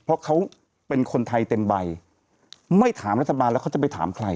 เพราะเขาเป็นคนไทยเต็มใบไม่ถามรัฐบาลแล้วเขาจะไปถามใคร